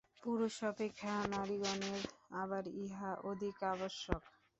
পুরুষ অপেক্ষা নারীগণের আবার ইহা অধিক আবশ্যক।